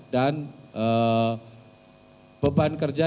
dan beban kerja